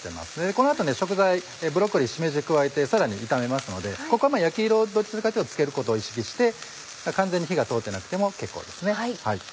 この後食材ブロッコリーしめじ加えてさらに炒めますのでここは焼き色だけをつけることを意識して完全に火が通ってなくても結構です。